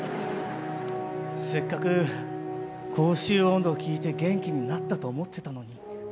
せっかく「江州音頭」を聴いて元気になったと思ってたのに。